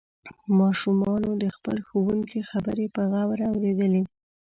ماشومانو د خپل ښوونکي خبرې په غور اوریدلې.